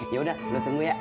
yaudah lo tunggu ya